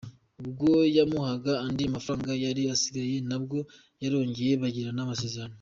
Ubwo yamuhaga andi mafaranga yari asigaye nabwo barongeye bagirana amasezerano.